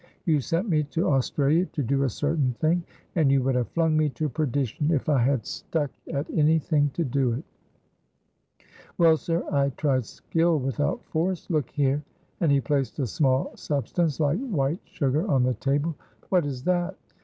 You sent me to Australia to do a certain thing, and you would have flung me to perdition if I had stuck at anything to do it. Well, sir, I tried skill without force look here," and he placed a small substance like white sugar on the table. "What is that?"